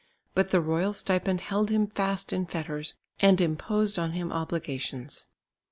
But the royal stipend held him fast in fetters and imposed on him obligations.